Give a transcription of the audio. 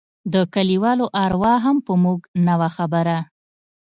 د کليوالو اروا هم په موږ نه وه خبره.